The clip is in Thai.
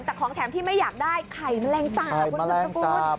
แต่ของแถมที่ไม่อยากได้ไข่แมลงสาป